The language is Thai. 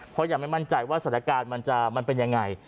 เพราะอย่างไม่มั่นใจว่าสถานการณ์มันเป็นอย่างไร